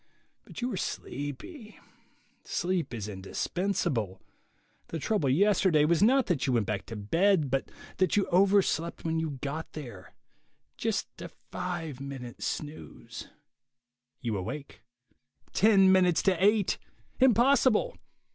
But you are sleepy; sleep is indispensable; the trouble yesterday was not that you went back to bed, but that you overslept when you got there; just a five minute snooze ... You awake. Ten minutes to eight! Impossible!